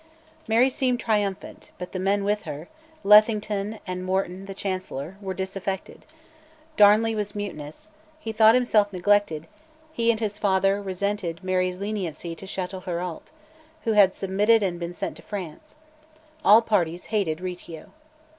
Mary seemed triumphant, but the men with her Lethington, and Morton the Chancellor were disaffected; Darnley was mutinous: he thought himself neglected; he and his father resented Mary's leniency to Chatelherault, who had submitted and been sent to France; all parties hated Riccio.